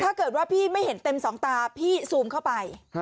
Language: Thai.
ถ้าเกิดว่าพี่ไม่เห็นเต็มสองตาพี่ซูมเข้าไป